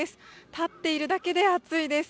立っているだけで暑いです。